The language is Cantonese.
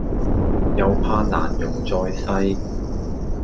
又怕難容在世